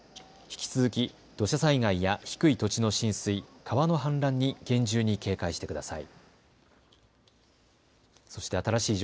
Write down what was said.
引き続き土砂災害や低い土地の浸水、川の氾濫に厳重に警戒してください。